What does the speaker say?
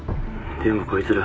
でもこいつら。